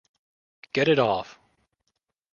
Get it off.